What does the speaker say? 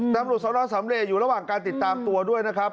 ตำรวจสนสำเรย์อยู่ระหว่างการติดตามตัวด้วยนะครับ